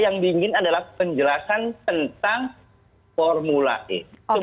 yang diingin adalah penjelasan tentang formula e